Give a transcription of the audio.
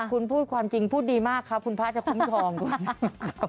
คุณพูดความจริงพูดดีมากครับคุณพระอาจารย์คุณผู้ชม